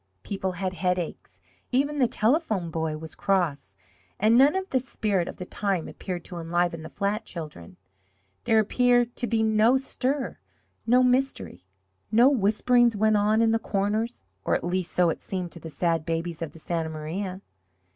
People had headaches even the Telephone Boy was cross and none of the spirit of the time appeared to enliven the flat children. There appeared to be no stir no mystery. No whisperings went on in the corners or at least, so it seemed to the sad babies of the Santa Maria.